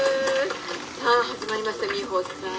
さあ始まりましたミホさん。